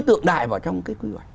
tượng đài vào trong cái quy hoạch